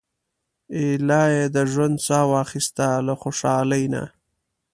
ایله یې د ژوند سا واخیسته له خوشالۍ نه.